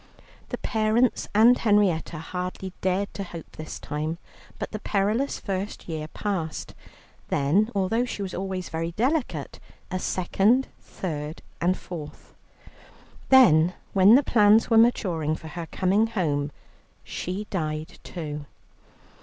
The parents and Henrietta hardly dared to hope this time. But the perilous first year passed, then, although she was always very delicate, a second, third, and fourth. Then, when the plans were maturing for her coming home, she died too.